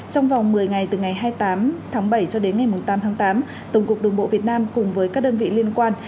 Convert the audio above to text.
trong vòng một mươi ngày từ ngày hai mươi tám tháng bảy cho đến ngày tám tháng tám tổng cục đường bộ việt nam cùng với các đơn vị liên quan